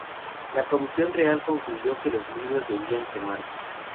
La comisión real concluyo que los libros debían quemarse.